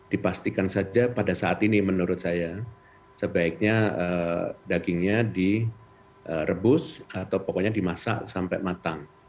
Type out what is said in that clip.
dipastikan saja pada saat ini menurut saya sebaiknya dagingnya direbus atau pokoknya dimasak sampai matang